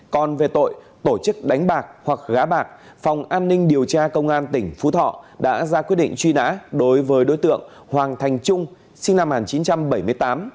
còn về tội tổ chức đánh bạc hoặc gá bạc phòng an ninh điều tra công an tỉnh phú thọ đã ra quyết định truy nã đối với đối tượng hoàng thành trung sinh năm một nghìn chín trăm bảy mươi tám